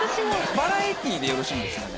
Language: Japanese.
バラエティーでよろしいんですかね？